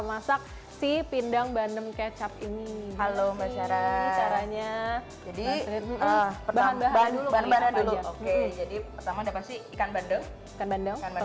masak si pindang bandeng kecap ini halo masyarakat caranya jadi bahan bahan dulu